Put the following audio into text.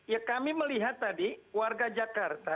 ya kami melihat tadi warga jakarta